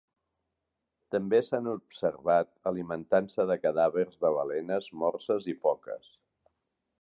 També s'han observat alimentant-se de cadàvers de balenes, morses i foques.